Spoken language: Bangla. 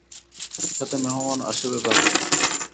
সাথে মেহমান আসবে ভাবিনি।